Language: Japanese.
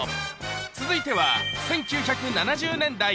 続いては１９７０年代。